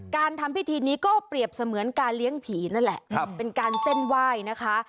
การทำพิธีนี้ก็เปรียบเสมือนการเลี้ยงผีนั่นแหละเป็นการเส้นไหว้นะคะ